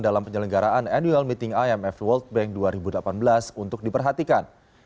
dalam penyelenggaraan annual meeting imf world bank dua ribu delapan belas untuk diperhatikan